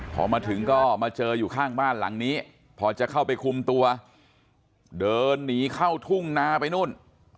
พอมาถึงก็มาเจออยู่ข้างบ้านหลังนี้พอจะเข้าไปคุมตัวเดินหนีเข้าทุ่งนาไปนู่น